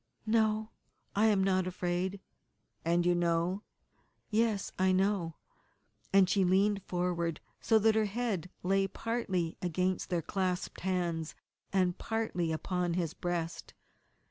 "No, I am not afraid." "And you know " "Yes, I know," and she leaned forward so that her head lay partly against their clasped hands and partly upon his breast.